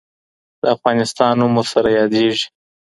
د افغانستان نوم ورسره یادېږي.